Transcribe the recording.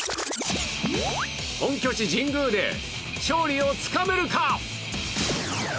本拠地・神宮で勝利をつかめるか。